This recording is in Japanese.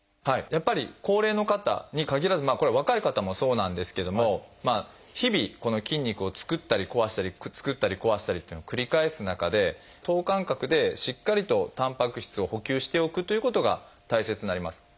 やっぱり高齢の方に限らずまあこれは若い方もそうなんですけども日々筋肉を作ったり壊したり作ったり壊したりっていうのを繰り返す中で等間隔でしっかりとたんぱく質を補給しておくということが大切になります。